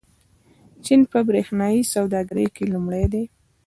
چین په برېښنايي سوداګرۍ کې لومړی دی.